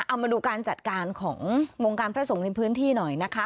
เอามาดูการจัดการของวงการพระสงฆ์ในพื้นที่หน่อยนะคะ